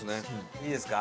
いいですか？